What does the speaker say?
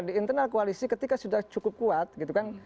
di internal koalisi ketika sudah cukup kuat gitu kan